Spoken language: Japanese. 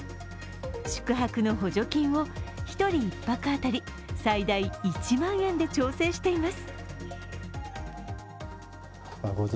宿泊の補助金を１人１泊当たり最大１万円で調整しています。